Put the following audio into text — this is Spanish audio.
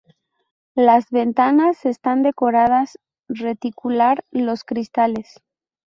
Las ventanas están decoradas reticular los cristales.